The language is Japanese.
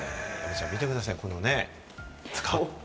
見てください、この格好。